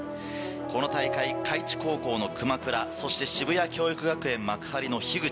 この大会開智高校の熊倉そして渋谷教育学園幕張の口。